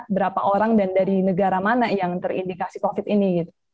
berapa orang dan dari negara mana yang terindikasi covid ini